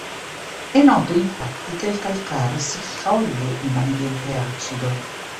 È noto infatti che il calcare si scioglie in ambiente acido.